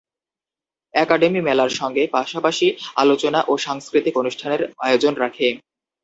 Academy মেলার সঙ্গে পাশাপাশি আলোচনা ও সাংস্কৃতিক অনুষ্ঠানের আয়োজন রাখে।